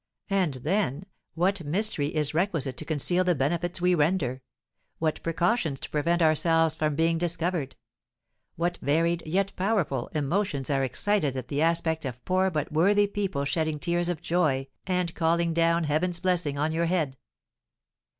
And then, what mystery is requisite to conceal the benefits we render! what precautions to prevent ourselves from being discovered! what varied, yet powerful, emotions are excited at the aspect of poor but worthy people shedding tears of joy and calling down Heaven's blessing on your head!